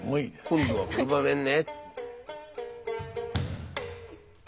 今度はこの場面ね！